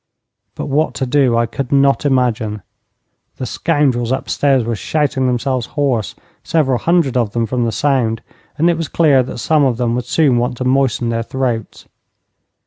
But what to do I could not imagine. The scoundrels upstairs were shouting themselves hoarse, several hundred of them from the sound, and it was clear that some of them would soon want to moisten their throats.